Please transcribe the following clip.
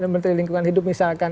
menteri lingkungan hidup misalkan